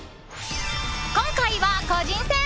今回は個人戦！